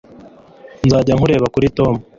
Nzajya kureba kuri Tom